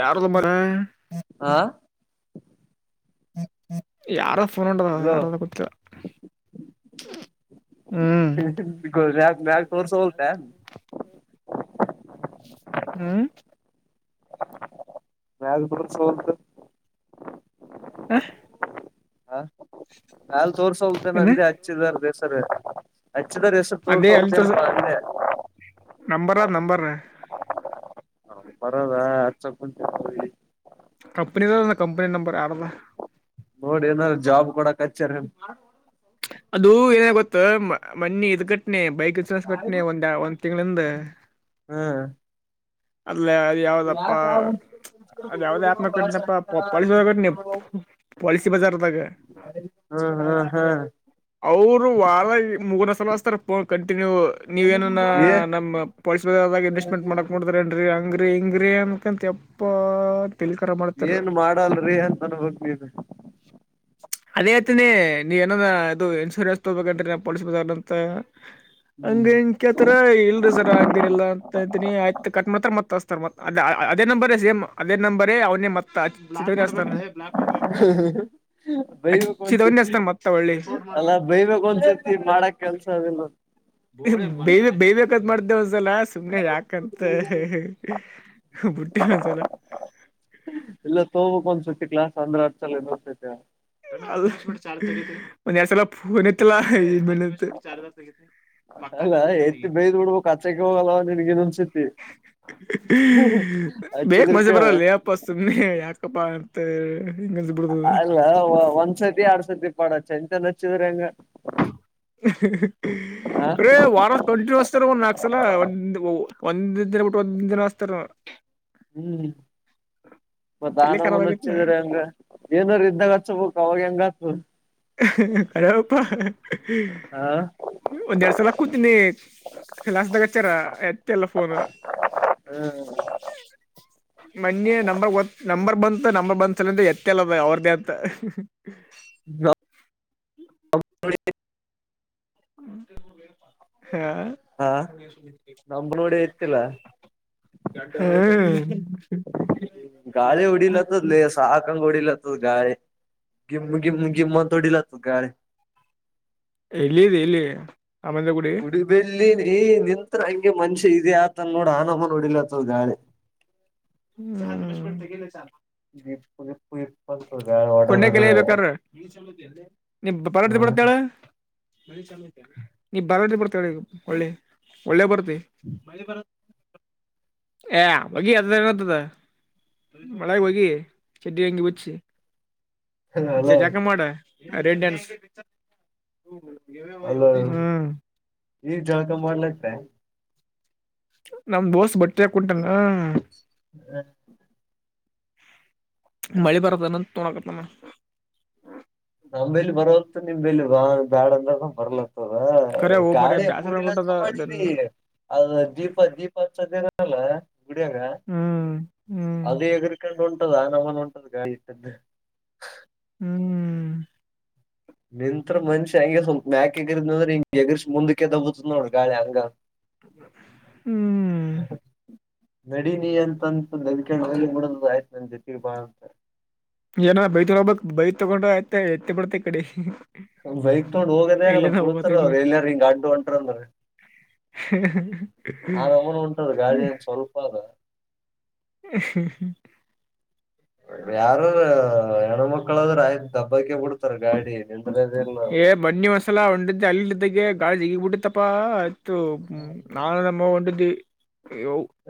ಯಾರ್ದೋ ಮರ. ಹಾ ಯಾರ ಫೋನ್ ಹೊಂಟದ ಯಾರದ ಗೊತಿಲ್ಲ. ಮ್ಯಾಗ್ ತೋರ್ಸವಲ್ದಾ. ಹ್ಮ್. ಮ್ಯಾಗ್ ತೋರ್ಸವಲ್ದು. ಹಾ. ಹ ಮ್ಯಾಲ್ ತೋರ್ಸಒಲ್ದೆನ ಏನ ಅಂದೇ ಹಚ್ಚಿದಾರ್ದ್ ಹೆಸರ. ಹೆಚ್ಚಿದರ್ ಹೆಸ್ರು ತೋರ್ಸವಲ್ದೆನಪ ಅಂದೆ. ನಂಬರಾದ್ ನಂಬರ್. ಬರದ ಆಚಾಕುಂತಿವ್. [unintelligible] ಕಂಪನಿದ ಅದು ಕಂಪನಿ ನಂಬರ್ ಯಾರ್ದ. ನೋಡ್ ಏನಾರ ಜಾಬ್ ಕೊಡಕಚ್ಚಾರೆನ. ಅದು ಏನಾತ್ಗೊತ್ತ ಮ್ ಮನ್ನಿ ಇದ್ ಕಟ್ನೆ ಬೈಕ್ ಇನ್ಸೂರೆನ್ಸ್ ಕಟ್ನೆ ಒಂದ ಒಂದ್ ತಿಂಗ್ಳಿಂದ. ಹಾ. ಅಲ್ಲ. ಯಾವದಪ್ಪ ಅದ್ಯಾವ್ದ ಆಪ್ ನಾಗ್ ಕಟ್ನೆಪ [unintelligible] ಕಟ್ನಿ. ಪೋಲಿಸಿ ಬಜಾರ್ದಾಗ. ಹ್ಮ್ ಹ್ಮ್ ಅವರು ವದ್ರಗ್ ಮೂರನೇಸಲ ಹಸ್ತಾರಪ್ ಫೋನ್ ಕಂಟಿನ್ಯೂ ನೀವೇನ ಹ್ಮ್ ಏ ನಮ್. ಪೋಲ್ಸಿ ಬಜಾರ್ದಾಗ್ ಇನ್ವೆಸ್ಟ್ಮೆಂಟ್ ಮಾಡಕ್ ನೋಡ್ತಿ ರೇನ್ರಿ ಹಂಗ್ರಿ ಹಿಂಗ್ರಿ ಅನ್ಕಂತ ಯಪ್ಪ. ತಿಲಿಕರ ಮಾಡ್ತಾರ ಏನ್ ಮಾಡಲ್ರಿ ಅಂತನ್ [unintelligible] ನೀನು. [inaudible] ಅದೇ ಇತಿನಿ ನೀವ್ ಏನಫಾ ಇದು ಇನ್ಸೂರೆನ್ಸ್ ತಗೋಬೇಕನ್ರಿ ನಾವ್ ಪೊಲೀಸಿ ಬಜಾರ್ ಅಂತ. ಹ್ಮ್ ಹಂಗ ಇಂಗ್ ಕೆತರ ಇಲ್ರಿ ಸರ ಹಂಗೇನಿಲ್ಲಾ ಅಂತ ಅಂತನಿ ಕಟ್ ಮಾಡತರ ಮತ್ ಹಸ್ತರ್. ಅದೇ ನಂಬರೇ ಸೇಮ್ ಅದೇ ನಂಬರೇ ಅವ್ನೆ ಮತ್. [inaudible] ಬೈ ಬೇಕು ಹಚ್ಚಿದವನೇ ಒಂದ್ಸತಿ ಹಚ್ತಾನ ಮತ್ತ ಒಳ್ಳಿ ಅಲ್ಲ ಬೈಬೇಕಕ್ ಒಂದ್ಸತಿ ಮಾಡಕ್ ಕೆಲ್ಸ ಅದಿಲ್ಲ. ಬೈಬೇಕ್ ಬೈಬೇಕ್. ತಗದ್ ಮಾಡ್ದೆ ಒಂದ್ಸಲ ಸುಮ್ನೆ ಯಾಕಂತ ಹೇಳಿ ಬಿುಟ್ಟಿ ಗೊಂದ್ಸಲ. [inaudible] ಇಲ್ಲ ತಗೋಬೋಕೊಂದ್ ಸತಿ ತ್ತತಿ ಕ್ಲಾಸ್ ಅದ್ಮೇಲ್ ಅಚ್ಚಲ್ಲ ಇನೊಂದ್ಸತಿ. ಅದು ಒಂದ್ ಎರದ್ಸಲ ಫೋನ್ ಎತ್ತಲ್ಲ ಇಮೇಲಿಂದ. ಅಲ್ಲ ಪಕ್ಕನಾ. ಎತ್ತಿ ಬೈದ್ ಬಿಡ್ಬೇಕು ಹಚ್ಚಕ್ಕೆ ಹೋಗಲ್ಲ ನಿನ್ಗ ಇನ್ನೊಂದ್ಸತಿ [unintelligible] ಬೇಕ್ ಹಚ್ಚಿದ್ರ ಮಜ ಕೇಳ ಬರಲೇ ಅಪ ಸುಮ್ನೆ ಯಾಕಪ್ಪ. ಅಲ್ಲ ಒಂದ್ಸತಿ ಆರಡ್ ಸತಿ ಪಡ ಚನ್ ಚನಾಚಿದ್ರೆನಂಗ. ರೇ ವಾರ ಕಂಟಿನ್ಯಸ್. ತರ ಒಂದ್ ನಕ್ಸಲ ಒಂದ್ ದಿನ ಬಿಟ್ ಒಂದಿನ ಹಸ್ತಾರ. ಹ್ಮ್ ಮತ್ ತಲಿ ಖರಾಬ್ ಬನಾವೂನ್ ಆಗೈತಿ ಹಚ್ಚಿದ್ರೆನಗ, ಏನಾರ ಇದ್ದಾಗ ಹಚ್ಬೇಕು ಅವಾಗ್ ಹೆಂಗಾಕ್. ಕರೆನಪ. ಹಾ ಸಲ ಕೂತೀನಿ ಕ್ಲಾಸ್ದಾಗ್ ಹಚ್ಚಾರ ಎತ್ತೆ ಇಲ್ಲ ಫೋನ್. ಹ್ಮ. ಮನ್ನಿ ನಂಬರ್ ಒ ನಂಬರ್ ಬಂತು ನಂಬರ್ ಬಂತಲಾ ಎತ್ತೇ ಇಲ್ಲ ಅವ್ರ್ದೇ ಅಂತ. [inaudible] [inaudible] ಹಾ. ಹಾ [inaudible] ನಮ್ದ್ ನೋಡಿ ಎತ್ತಿಲ್ಲ ಹ್ಮ್. ಗಾಳಿ ಉಡಿಲತದ್ಲೇ ಸಾಕಂಗ್ ಉಡಿಲತತ್ ಗಾಳಿ. ಗಿಮ್ ಗಿಮ್ ಗಿಮ್ಮು ಅಂತ ಹೊಡೀಲಾತದ್ ಗಾಳಿ. ಎಲ್ಲಿದಿ ಎಲ್ಲಿ ಅಮೆದ ಗುಡಿ. ಈ ನಿಂತ್ರೆ ಹಂಗೆ ಮನ್ಷ್ಯ ಇದೆ ಯಾತನ್ ನೋಡು ಆನಮುನ್ ಹೊಡೀಲಾತದ್ ಗಾಳಿ. ಹ್ನ್ಮ್ ಈ ಕುು ಇ ಕೊಂಡೆ ಕೆಲ ಬೇಕಾರ ನೀ ಪರದ ಹ ಬರ್ತೇಲಾ [unintelligible] ನೀ ಬರತ್ ಏಳ ವಳ್ಳಿ ಬರ್ತಿ ವಲ್ಯವಾಗ ಭರ್ತಿ ವಲ್ಲಿ [unintelligible] ಏ ಹೊಗಿ ಅದ ಏನತದ ಮಳೆಗೆ ಹೊಗಿ ಚೆಡ್ಡಿ ಅಂಗಿ ಬಿಚ್ಚಿ ಜ ಅಲೋ ಜಾಲ್ಕ ಮಾಡ ರೆಡ್ಡೆನ್ಸ್ ಅಲ್ಲೋ [unintelligible] ಈಗ ಜಲ್ಕಾ ಮಾಡ್ಲತ್ತೆ ನಮ್ ದೋಸ್ತ್ ಬಟ್ಟಿ ಕುಂಟಾನ ಹ್ಮ್ [inaudible] ಮಳೆ ಬರತ್ತನ ತಗೋನೋಕತನ ನಮ್ಮಲಿ ಬರೋತ್ ನಿಮಲಿ ಬಾ ಬಾಳ ಅಂತ ಬರ್ಲತ್ ಕರೆ ಹೋಗ್ ಮರ ಗಾಳಿ ಬ್ಯಾಸರ ಅಂಗೂಡಿಲ್ಲ ಆಗ್ಬಿಟ್ಟದ ಮಾಡಿದಿ ಅದ್ ದೀಪ ದೀಪ ಹಚ್ಚಡ್ ಲ್ಲ ಬಿಡಿಯಾಗ [unintelligible] ಹ್ಮ್ ಹ್ಮ್ ಅದ ಎಗರ್ಕೊಂಡು ಒ ಉಂಟದು ಆ ನಮ್ಮ ಉಂಟದ ಗಾಳಿ ಇಟ್ಟದ್ದೆ... ಹ್ಮ್ ನಿಂತ್ತ್ರ ಮನ್ಷಿ ಹಂಗೆ ಸ್ವಲ್ಪ ಮ್ಯಾಕೆ ಎಗರಿದ್ ಅಂದ್ರೆ ಹಿಂಗೆ ಎಗರ್ ಮುಕ್ಕೆ ದಬ್ಬತ್ ನೋಡ್ ಗಾಳಿ ಹಂಗ. ಹ್ಮ್ [inaudible] [inaudible] ನಡಿನಿ ಅಂತಂತಂದುದಡ ಆಯ್ತು... [unintelligible] ಏನ ಬೈ ತಗೋಗಬೇಕಕ್ ಬೈ ತಗೊಂಡ ಆಯ್ತ ಎತ್ತಿ ಬಿಡ್ತಾ ಇಕಡಿ. ಬೈಕ್ ತೊಗೊಂಡ್ ಹೋಗೋದೇ ಆಗಲ್ಲ ಬುಲ್ತಾರ ಅವ್ರರು ಎಲ್ಲರ ಹಿಂಗ ಅಡ್ಡ ಹೊಂಟ್ರ ಅಂದ್ರ. ಹ [inaudible] ಆರ ಅವನು ಉಂಟದ ಗಾಳಿ ಏನ್ ಸ್ವಲ್ಪ ಅದ. ಹ್ಮ ಹ್ಮ ಯಾರ ರಾ ಹೆಣ್ಮಕ್ಳಾದ್ರ ಆಯ್ತು ಡಬ್ಬಕಿ ಬಿಡ್ತರ ಗಾಡಿ ನಿ ಏ ಬ್ಣಿ ಮಸಾಲ ಒಂಡದ್ದ ಅಲ್ಲಿದ್ದಗೆ ಗಾಳಿ ಜಗ್ಗಿ ಬಿಟ್ಟತ್ತಪ್ಪಾ ತು ನಾನ್ ನಮ್ಮವ್ವ ಉಂಡಿದ್ವಿ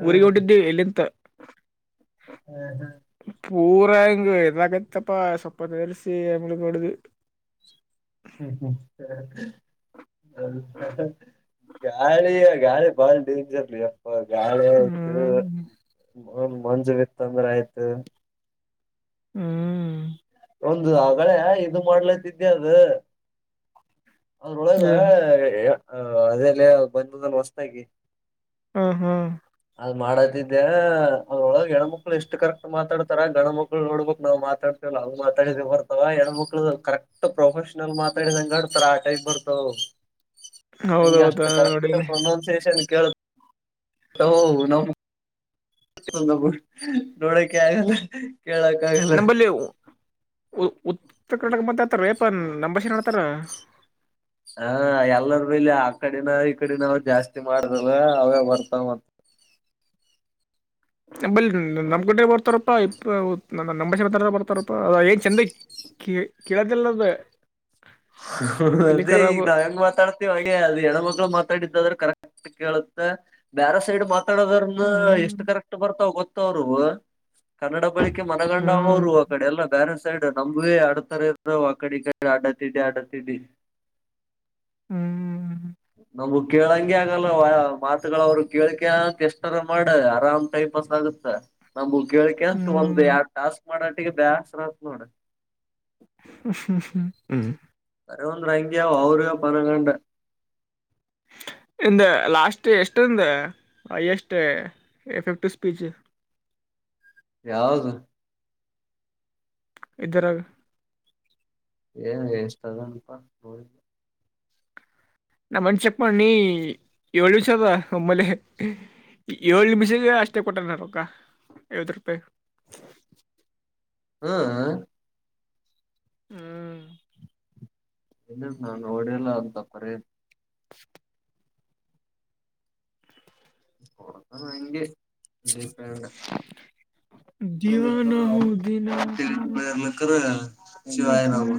ಹ್ಮ್ ಊರಿಗೆ ಹೊಂಟಿದ್ವಿ ಇಲ್ಲಿಂತ. ಹ್ಮ್ ಪೂರಾ ಹಿಂಗ ಇಡ್ಲಕತ್ತೆಪ ಸ್ವಲ್ಪೋತ್ ಇಲ್ಸಿ ಎಂಗ ಬಡಿದ್ವಿ. ಹ್ಮ್ ಹ್ಮ್ [unintelligible] ಹ ಗಾಳಿ [inaudible] ಗಾಳಿ ಬಾಳ ಡೇಂಜರ್ ಲೆ ಎಪ್ಪ ಗಾಳಿ ಆಯ್ತು ಹ್ಮ್ ಮ ಮಂಜ್ ಬಿತ್ತಂದ್ರಾಯ್ತು. ಹ್ಮ್ [inaudible] ಒಂದು ಆಗಳೇ ಇದು ಮಾಡ್ಲತಿದ್ದ್ಯಾ ಅದು [unintelligible] ಅದ್ರೊಳಗ ಏನ್ ಅದೇಲೆ ಬಂದ್ದಲ್ ಹೊಸದಾಗಿ ಹ್ಮ್ ಹ್ಮ್ ಅದ್ ಮಾಡದಿದ್ದೆ ಅದ್ರೊಳಗ ಹೆಣ್ಮಕ್ಳು ಎಷ್ಟು ಕರೆಕ್ಟ್ ಮಾತಾಡ್ತಾರ ಗಣ ಮಕ್ಳು ನೋಡ್ಬೇಕಕ್ ನಾವು ಮಾತಾಡ್ತಿವಲ್ಲ ಅಂಗ್ ಮಾತಾಡಿದ ಬರ್ತವ ಹೆಣ್ಮಕ್ಳ ಕರೆಕ್ಟ್ ಪ್ರೊಫೆಷನಲ್ ಮಾತಾಡಿದಂಗಡ್ತರ ಆಟೈಪ್ ಬರ್ತವವ್. ಹಂಗೆ ಹೌದೌದ ಅಷ್ಟು ಕರೆಕ್ಟ್ ನೋಡೀನಿ ಪ್ರೊನೌನ್ಸಿಯೇಷನ್ ಕೇಳುತ್ [unintelligible] ನಮೂವ್ ಹ ನೋಡಕೆ ಆಗಲ್ಲ ಕೇಳಕ್ ಆಗಲ್ಲ. ನಂಬಲ್ಲಿ ಉ ಉತ್ತರ ಕರ್ನಾಟಕ ಮಾತಾಡ್ತಾರ ಲೇಪ ನಂಬಾಷ ಮಾತಡ್ತಾರ. ಹ ಎಲ್ಲರ ಬಲ್ಲಿ ಆ ಅಕಡೆನ ಈಕಡಿನಾವ ಜಾಸ್ತಿ ಮಾಡ್ರಲ್ ಅವೇ ಬರ್ತಾವ ಮತ್ [inaudible] ನಂಬಲಿ ನಮ್ ಗುಡ ಬರ್ತಾರಪ್ಪಾ ಇ ನಮ್ಮಂಬಷತಾರ ಬರ್ತಾರಪ್ಪಾ ಅದ ಏನ್ ಚೆಂದೈ ಕ [inaudible] ಕೆಡ್ದಲ್ಲ್ದ... ಅದೇ ಈಗ ನಾವ್ ಹೆಂಗ ಮಾತಾಡ್ತಿವ ಹಾಗೆ ಅದು ಹೆಣಮಕ್ ಮಾತಾಡ್ರ ಕರೆಕ್ಟ್ ಕೇಳುತ್ತೆ ಬ್ಯಾರ ಸೈಡ್ ಮಾತ್ ಮಾತಾಡೋದ್ರ ಹ್ಮ್ ಎಷ್ಟು ಕರೆಕ್ಟ್ ಬರ್ತಾವ ಗೊತ್ತವ್ರು ಕನ್ನಡ ಬಳಿ ಕೆ ಮನಗಂಡ ಆವ ಹ್ಮ್ ಅವರು ಅ ಕಡೆ ಎಲ್ಲ ಬ್ಯರೆ ಸೈಡ್ ನಮ್ವೆ ಆಡ್ತಾರೆ ಆ ಕಡೆ ಕಡೆ ಆಡ ಅಡ್ಡ ದಿಡ್ಡಿ ಅಡ್ಡಾದಿಡ್ಡಿ. ಹ್ಮ್ ನಮಗ ಕೇಳಂಗಗೆ ಆಗಲ್ಲ ಮಾತುಗಳು ಅವರು ಕೇಳ್ಕ ಅಂತ ಎಷ್ಟರ ಮಾಡಿ ಆರಾಮ್ ಟೈಮ್... ಪಾಸಾಗುತ್ತೆ. ನಮ್ ಮುಗಿಕ್ ಅಂತ ಒಂದ್ ಹ್ಮ್ ಎರಡ್ ಟಾಸ್ಕ್ ಮಾಡಟ್ಟಿಗೆ ಬೇಸ್ರತ್ ನೋಡ್... ಹ್ಮ ಹ್ಮ್ ಬರೆ ಒಂದ ಅಂಗಿಯ ಅವರ ಪರಗಂಡ ಇಂದ ಲಾಸ್ಟ್ ಎಷ್ಟದ ಹೈಯಸ್ಟ್ ಎಫೆಟ್ವಿ ಸ್ಪೀಚ್ ಯಾವುದು ಇದರಾಗ ಏನು ಎಷ್ಟು ಅಂದನ್ ಪ್ಪಾ [unintelligible] ನಮ್ಮನ್ ಚೆಕ್ ಮಾಡ್ ನೀ ಏಳು ನಿಮಿಷದ ಒಮ್ಮಲೆ ಏಳ್ ನಿಮಿಷಗೆ ಅಷ್ಟೇ ಕೊಟ್ಟನ ರಕ್ಕ ಐವತ್ತು ರೂಪಾಯಿ ಹ್ಮ್ ಹ ಹ್ಮ್ ಏನ್ ನಾನ್ ನೋಡೆ ಇಲ್ಲ ಅಂತ ಪರೇನ್ [unintelligible] ಒಬ್ಬರು ಅಂಗೆ ಡಿಪೆಂಡ್ ದಿವಾನ ಹೂ ದಿನ ದಿವಾನ [unintelligible] ಶಿವಾಯ ನವ್ ದಿವಾನ.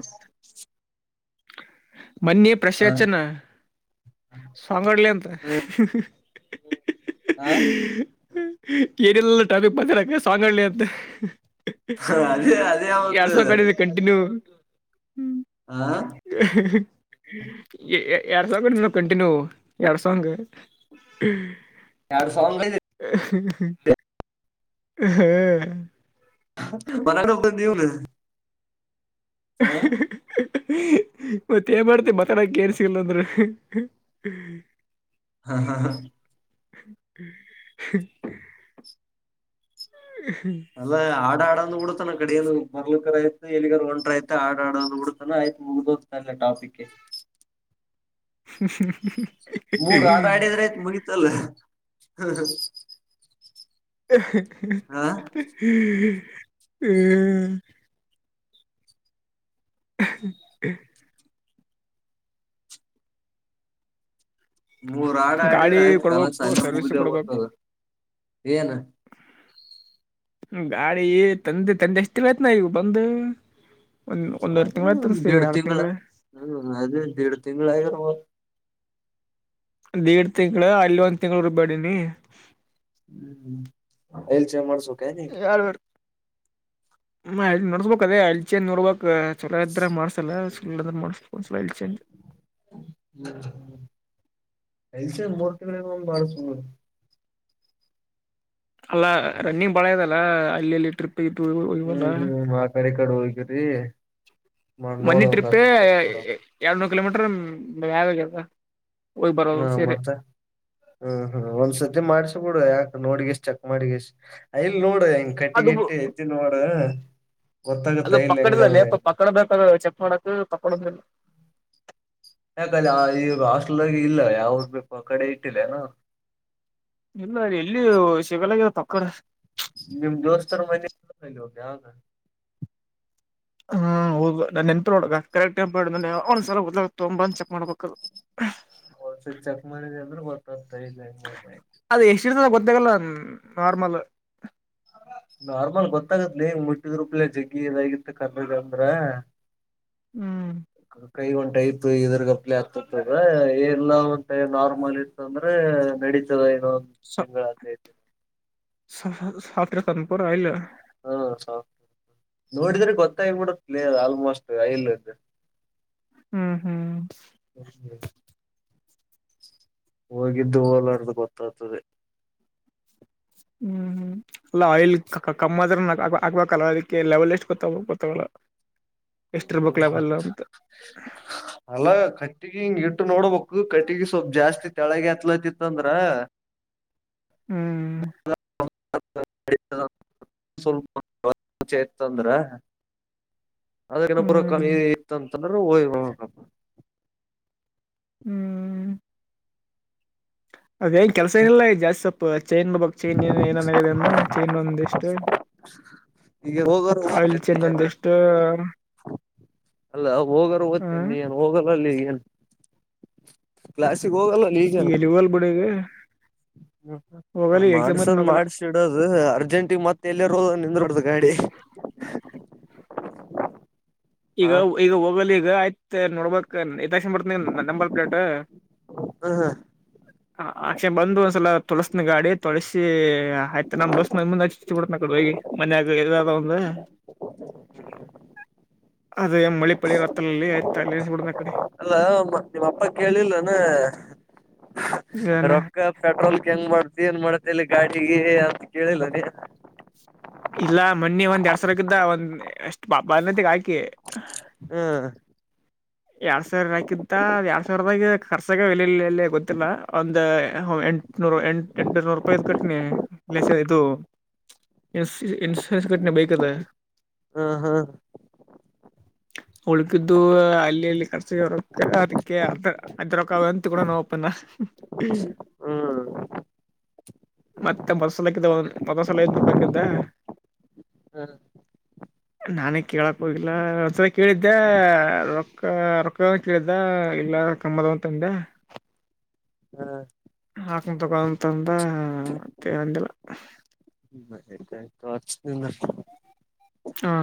ಮನ್ನಿ ಪ್ರಶ್ ಹಾ ಅಚ್ಚೆನ ಸಾಂಗಡ್ಲಿ ಅಂತ ಹಾ ಹೆ ಹೆ ಕೇರೆಲ್ಲಿ ಟಾಪಿಕ್ ಬಂದರಕ್ಕ ಸಾಂಗಾಡಲಿ ಅಂತೆ ಹೆ ಹೆ ಅದೇ ಅದೇ ಎಡ್ ಒಂದು ಸಾವ ಕಡಿದ್ ಕಂಟಿನ್ಯೂ ಹಾ ಎರಡ್ ಸಾವ ಕಡೆ ಕಂಟಿನ್ಯೂ ಎರಡ್ ಸಾಂಗೂ ಹೆ ಎರಡು ಸಾಂಗ್ ಅದಿ ಹೆ ಹೆ ಹ ಮಲನೂ ಬಂದ್ ನೀನ [unintelligible] ಮತ್ತೇನ್ ಮಾಡ್ತಿ ಮಾತಡಕ್ಕೆ ಕೇಳಸಿಲ್ಲ ಅಂದ್ರೆ ಹಾ ಹಾ ಹಾ [inaudible] ಅಲ್ಲ ಆ ಆ ಆಡ್ ಬೂಡತಾನ ಕಡೆಯದು ಬರ್ಲಕರ್ ಐ ಎಲ್ಲಿಗರ್ ಒಂಟ್ರೆ ಐತ ಆಡ ಆಡೋ ಬಿಡತಾನ ಆಯ್ತ್ ಮುಗ್ ಟಾಪಿಕೆ [inaudible] [unintelligible] ಹ್ಮ ಹ್ಮ ಮೂರು ಹಾಡು ಆಡಿದ್ರೆ ಆಯ್ತ್ ಮುಗೀತಲ್ಲೆ ಹ್ಮ ಹ್ಮ್ ಹೇ ಮೂರ್ ಹಾಡು ಆಡಿದ್ರೆ ಗಾಡಿ ಆಯ್ತು ಕಾಲ ಕೊಡ್ಬೇಕು ಸಾಲ ಸರ್ವಿಸ್ ಮುಗ್ದೆ ಹೋತ್ ಕೊಡ್ಬೇಕು ಏನ್ ಗಾಡಿ ತಂದಿ ತಂದಿ ಎಷ್ಟ್ ದಿನ ಆಯ್ತು ಮಾ ಇವು ಬಂದು ಒಂದ್ ಒಂದೂವರೆ ಅದ ತಿಂಗಳ ತನ್ಸ್ತಿ ಒಂದೇರಡ್ ಎರಡು ತಿಂಗಳ ಅದೇ ಎರಡೇ ತಿಂಗಳು ಆಗಿರಬೇಕು. ಎರಡ್ ತಿಂಗಳು ಅಲ್ಲಿ ಒಂದ್ ತಿಂಗಳು ರೂಬಡಿದ್ದೀನಿ. ಹ್ಮ್ ಆಯಿಲ್ ಚೇಂಜ್ ಮಾಡ್ಸೂ ಯ ಮಾಡ್ಸ್ಬೇಕ ಲೇ ಅಯಿಲ್ ಚೇಂಜ್ ಮಾಡ್ಬೇಕು ಚಲೋ ಇದ್ರೆ ಮಾಡ್ಸೂಲ್ಲೆ ಇಲ್ಲಾಂದ್ರೆ ಮಾಡ್ಸಬೇಡ ಚೇಂಜ್ [unintelligible] ಮೂರ್ ತಿಂಗಳಿಗೆ ಮಾಡ್ಸ ಅಲ್ಲ ರನ್ನಿಂಗ್ ಬಾಳ ಇದೆಲ್ಲ ಅಲ್ಲಿಲ್ಲಿ ಟ್ರಿಪ್ ಇಟ್ಟು ಹ್ಮ್ ಇವೆಲ್ಲ ಹ್ಮ್ ಆ ಕಡೆ ಈ ಕಡೆ ಹೋಗಿರಿ ಮಾಡ್ ಮನ್ನಿ ನೋಡ್ಬೇಕ ಟ್ರಿಪ್ಪೇ ಚೆಕ್ ಮಾಡ ಎರಡ್ನೂರು ಕಿಲೋಮೀಟರ್ ಯಾವಾಗದ ಹ್ಮ ಮತ್ತ ಹ್ಮ್ ಹ್ಮ ಒಂದ್ಸತಿ ಮಾಡ್ಸಬ ಬಿಡುುವ ಯಾಕ ನೋಡಗಷ್ಟ ಚಕ್ ಮಾಡಿಷ್ಟ ಇಲ್ ನೋಡ ಹಂಗ್ ಕಟ್ಟಿಗ ಅದು ಇಟ್ಟ ಎ್ದ ನೋಡ ಗೊತ್ತಾಗತ್ತ ಅದು ಐಲ್ ಪಕ್ಕಡಲ್ಲ ಹೆಂಗದ ಪಕ್ಕಡ ಬ ಚೆಕ್ ಮಾಡಕ್ ಪಕಡಿಲ್ಲ ಯಾಕ್ರೆ ಆ ಈವ ಹಾಸ್ಟೆಲ್ಗ ಇಲ್ಲ ಯಾವ್ರ ಬ ಕಡೆ ಇಟ್ಟಿಲ್ಲನ ಇಲ್ಲ ಎಲ್ಲಿ ಶಗಾಲಾಗಲ್ಲ ತಕ್ಕಡ ನಿಮ್ಮ ದೋಸ್ತರು ಮ ಹ ಹ್ಮ ಹೋಗದ ನಾ ನನ್ಪ ನಡ ಕರೆಕ್ಟ್ಟ ಒಂದ್ಸಲ ಹದ್ ತುಂಬ ಅಂದ ಚೆಕ್ ಮಾಡ್ಬೇಕದು ಹ ಹೋಲ್ಸಲ್ ಚೆಕ್ ಮಾಡಿದೆ ಅಂದ್ರರು ಗೊತ್ತಾಗತ ಇಂಗ ಮಲ್ಲ ನಾರ್ಮಲ್ ನಾರ್ಮಲ್ ಗೊತ್ತಾಗತ್ ನೀ ಮುಟ್ಟಿದ್್ರೂಪಲೆ ಜಗ್ಗಿ ಇದಾಗಿತ್ತ ಕರ್ಗ ಅಂದ್ರ ಹ್ಮ್ ಕೈ ಒಂದ್ ಟೈಪ್ ಇದ್ರಗಪ್ಲೆ ಆತದ್ರ ಎಲ್ಲ ಒ ನಾರ್ಮಲ್ ಇತ್ತ ಅಂದ್ರೆೆ ನಡಿತದ ನೊಂದು ತಿಂಗಳು ಸ ಸಫರೆ ಸನಪುರ ಆಯಲ್ಲ ಹಾ ಸೌ ನೋಡಿದ್ರೆ ಗೊತ್ತಾಗಬಿಡ ಪ್ಲೇ ಆಲ್ಮೋಸ್ಟ್ ಐಲ್್ದ ಹ್ಮ್ ಹ್ಮ್ ಹೋಗಿದ್ದು ಹೋಲಾರ್ದು ಗೊತ್ತಾಗ್ತದೆ ಹ್ಮ್ ಹ್ಮ್ ಅಲ್ಲ ಆಯಿಲ್ ಕಮ್ಮ ಆದ್ರ ಹಾಕ್ಬೇಕಲ್ಲ ಅದಕ್ಕೆ ಲೆವೆಲ್ ಎಷ್ಟು ಗೊತ್ತ ಗೊತ್ತಾಗಲ್ಲ ಎಷ್ಟಿರ್ಬೇಕ್ ಲೆವೆಲ್ ಅಂತ ಅಲ ಕಿ ಹಿಂಗ ಇಟ್ಟು ನೋಡ್ಬೇಕು ಕಟ್ಟಿಗೆ ಸ್ವಲ್ಪ್ ಜಾಸ್ತಿ ತಳಗ ಹತ್ಲತಿತ್ತಂದ್ರ ಹ್ಮ್ ವಪ ಚೇತಂದ್ರ ಅದಕ್ಕನ ಹ್ಮ್. ಪುರಕಿ ಇತ್ತಂತಂದ್ರೆ ಹ್ಮ್ ಅದೇನ್ ಕೆಲ್ಸ ಏನಿಲ್ಲ ಜಾಸ್ತಿ ಸೊಪ ಚೈನ್ ಬ ಬಕ್ ಚೈನ್ಏ ಏನನ್ಾಗಿದೆನ್ನ ಚೈನ್ ಒಂದಿಷ್ಟ ಈಗ ಹೋಗರ ಆ ಇಲ್ಲಿ ಓದ್ತೇನಿ ಚೆಂದಂದ ಏನ ಎಷ್ಟು ಅಲ್ಲ ಹೋಗರು ತ್ತೇ ನೀ ಏನ್ ಹೋಗಲ್ಲಲ್ಲಿ ಏನ್ ಕ್ಾ ಹೋಗಲ್ಲ ಈಗ ನೀಗೇನು ಎಲ್ಲಿ ಹೋಗಲ್ ಬಿಡು ಈಗ ಹೋಗಲ್ಲ ಹ್ಮ್ ಎಕ್ಸಾಮ್ ಐತಿ ಮಾಡ್ಸದ್ ಹೋಗಲ್ಲ ಮಾಡ್ಸ ಇಡೋದು ಅರ್ಜೆಂಟಿನ್ ಮತ್ತೆ ಎಲ್ಲಿ ೋದ ನಿಂದ ಹೊಡ್ದ ಗಾಡಿ ಈಗ ಹಾ ಈಗ ಹೋಗಲಿ ಈಗ ಆಯ್ತ ನೋಡ್ಬ ಕ್ಷಣ ಬರ್ತನ ನಂಬಲ್ ಪ್ಲೇಟ್ ಹ್ಮ್ ಅಕ್ಷಣ ಬಂದು ಒಂದ್ಸಲ ತೊಳಸನ ಗಾಡಿ ತೊಳಸಿ ಆಯ್ತು ನಮ್ ದೋಸ್ ಮ ಮುಂದೆ ಬಿಿಡನ ಕಡೆ ಹೋಗಿ ಮನ್ಯಾಗ ಇಾರ ಒಂದ ಅದೇ ಮಳಿ ಪಳಿ ರತ್ರಲ್ಲಿ ಆಯ್ತಾ ಇಲ್ಲ ಸುಡನ ಕಡೆ ಅಲ್ಲ ನಿಮ್ಮ ಅಪ್ಪ ಕೇಳಿಲ್ಲಾನ ಏನ ರೊಕ್ಕ ಪೆಟ್ರೋಲ್ ಕೆ ಹೆಂಗ್ ಮಾಡ್ದ ಏನ್ ಮಾಡ ಮಲ್ಲಿ ಗಾಡಿಗೆ ಅಂತ ಕೇಳಿಲ್ಲದೇ ಇಲ್ಲ ಮಣಿ ಒಂದ್ ಎರಡ್ ಸಾವಿಕ್ಕ್ದ ಒಂದ್ ಅಷ್ಟ್ಾತಿಗ ಹಾಕಿ ಹ್ಮ್ ಎರಡ್ ಸಾವಿರಕಿಂತ ಎರಡ್ ಸಾವಿರದ ಖರ್ಚಾಗ ಎಲಲ್ಲಿ ಗೊತ್ತಿಲ್ಲ ಒಂದು ಎಂಟುನೂರು ಎಂ ಎಂಟನೂರು ರೂಪಾಯಿ ಕಟ್ನಿಸ ಇದು ಇನ್ ಇನ್ಸೂರೆನ್ಸ್ ಘಟನೆ ಬೇಕದ ಹಾ ಹಾ ಉಳಗಿದ್ದು ಅಲ್ಲಿ ಲ್ಲಿ ಕರ್ಸರ ಅದಕ್ಕೆ ಅದ ಅದ್ರಕ್ಕ ಅಂತ ಕೂಡ ನೋಪನ್ನ ಹ್ಮ್ ಮತ್ತೆ ಮೊದಸಾಲಕ್ಕಿಂತ ಮೊದಸಲ ಐದನ ರೂಪಾಯಿ ಕಿಂತ ಹ್ಮ್ ನಾನೇ ಕೇಳಕ್ ಹೋಗಿಲ್ಲ ಒಂದ್ಸಲ ಕೇಳಿದ್ದೆ ಕ್ಕ ಅರಕ್ಕ ಕೇಳ್ದ ಎಲ್ಲ ಕಮ್ಮದವಂತಂದ ಹಾ ಹಾಕ ತಗೊಂತಂದ [unintelligible] [unintelligible] ಹಾ